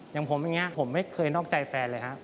อย่างผมอย่างนี้ผมไม่เคยนอกใจแฟนเลยครับ